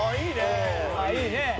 「いいね」